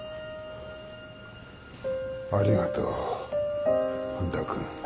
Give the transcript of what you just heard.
ありがとう半田君。